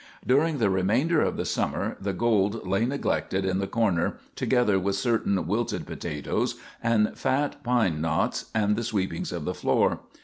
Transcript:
During the remainder of the summer the gold lay neglected in the corner together with certain wilted potatoes and fat pine knots and the sweepings of the floor.